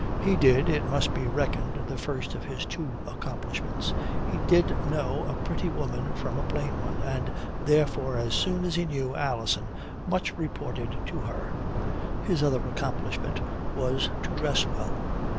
He did it must be reckoned the first of his two accomplishments he did know a pretty woman from a plain one, and therefore as soon as he knew Alison much resorted to her. His other accomplishment was to dress well.